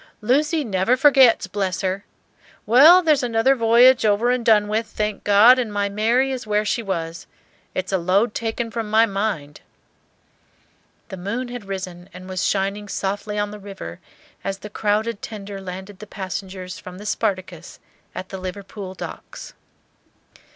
"Lucy never forgets, bless her! Well, there's another voyage over and done with, thank God, and my Mary is where she was. It's a load taken from my mind." The moon had risen and was shining softly on the river as the crowded tender landed the passengers from the "Spartacus" at the Liverpool docks.